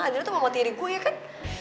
adriana tuh mama tiri gue ya kan